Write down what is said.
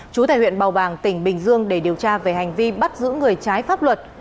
chú tại huyện bào bàng tỉnh bình dương để điều tra về hành vi bắt giữ người trái pháp luật